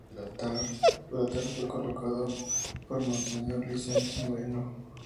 El altar fue colocado por Monseñor Luís Sánchez Moreno.